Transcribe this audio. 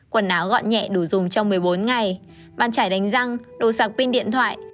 quần áo gọn nhẹ đủ dùng trong một mươi bốn ngày bàn trải đánh răng đồ sạc pin điện thoại